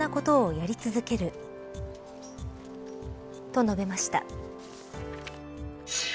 と述べました。